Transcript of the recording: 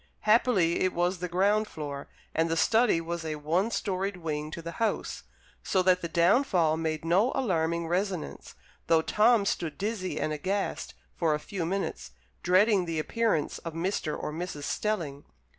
Happily it was the ground floor, and the study was a one storied wing to the house, so that the downfall made no alarming resonance, though Tom stood dizzy and aghast for a few minutes, dreading the appearance of Mr. or Mrs. Stelling.